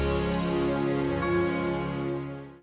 saya tidak tahu